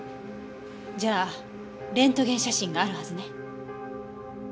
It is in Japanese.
じゃあレントゲン写真があるはずね。